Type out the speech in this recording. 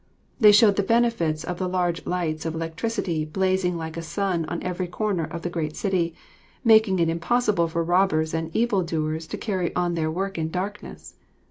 They showed the benefits of the large lights of electricity blazing like a sun on each corner of the great city, making it impossible for robbers and evil doers to carry on their work in darkness.